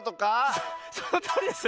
そのとおりです。